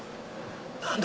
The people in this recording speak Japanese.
何だ？